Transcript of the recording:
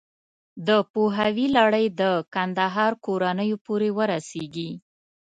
د پوهاوي لړۍ د کندهار کورنیو پورې ورسېږي.